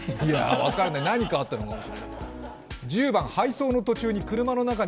分からない、何かあったのかも。